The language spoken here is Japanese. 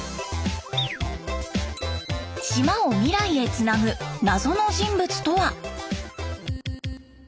島を未来へつなぐ謎の人物とは？